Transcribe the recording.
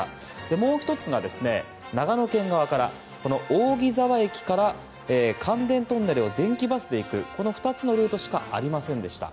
もう１つが、長野県側から扇沢駅から関電トンネルを電気バスで行く２つのルートしかありませんでした。